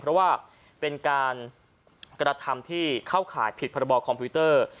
เพราะว่าเป็นการกระทำที่เข้าข่ายผิดพรบคอมพิวเตอร์